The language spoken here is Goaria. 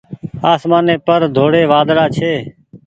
آسمآني پر ڍوڙي وآۮڙآ ڇي۔